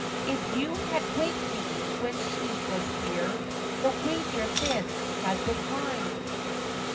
If you had waked me when she was here, The wager then had been mine.